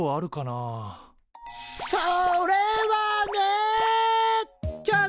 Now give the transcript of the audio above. それはね。